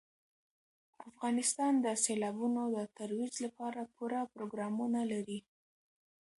افغانستان د سیلابونو د ترویج لپاره پوره پروګرامونه لري.